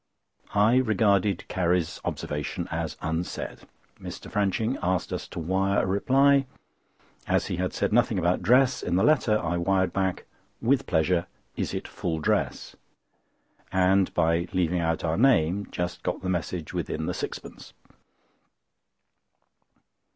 I regarded Carrie's observation as unsaid. Mr. Franching asked us to wire a reply. As he had said nothing about dress in the letter, I wired back: "With pleasure. Is it full dress?" and by leaving out our name, just got the message within the sixpence.